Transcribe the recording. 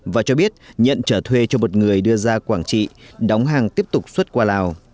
và cho biết nhận trở thuê cho một người đưa ra quảng trị đóng hàng tiếp tục xuất qua lào